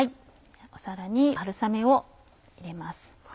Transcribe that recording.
皿に春雨を入れます。